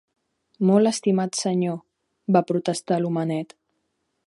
"Molt estimat senyor", va protestar l'homenet.